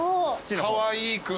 かわいく。